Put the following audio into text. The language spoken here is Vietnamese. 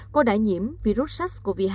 cô đã nhiễm virus sars cov hai